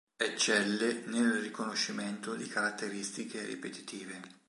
Eccelle nel riconoscimento di caratteristiche ripetitive.